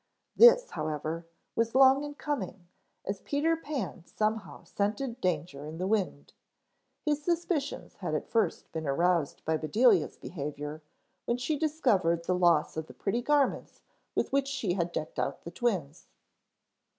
This, however, was long in coming, as Peter Pan somehow scented danger in the wind. His suspicions had at first been aroused by Bedelia's behavior when she discovered the loss of the pretty garments with which she had decked the twins.